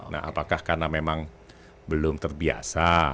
nah apakah karena memang belum terbiasa